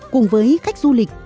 cùng với khách du lịch